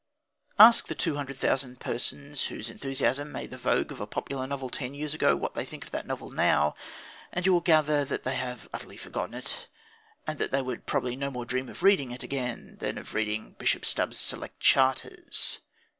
Ask the two hundred thousand persons whose enthusiasm made the vogue of a popular novel ten years ago what they think of that novel now, and you will gather that they have utterly forgotten it, and that they would no more dream of reading it again than of reading Bishop Stubbs's Select Charters.